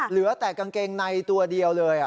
เหลือแต่กางเกงในตัวเดียวเลย